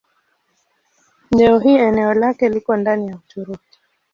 Leo hii eneo lake liko ndani ya Uturuki.